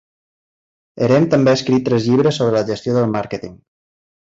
Erem també ha escrit tres llibres sobre la gestió del màrqueting.